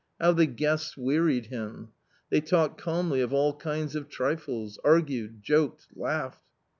How the guests wearied him ! They talked calmly of all kinds of trifles, argued, joked, laughed.